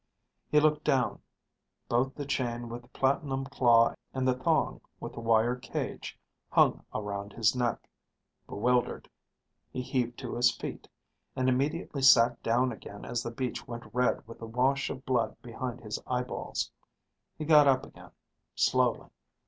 He looked down. Both the chain with the platinum claw and the thong with the wire cage hung around his neck. Bewildered, he heaved to his feet, and immediately sat down again as the beach went red with the wash of blood behind his eyeballs. He got up again, slowly.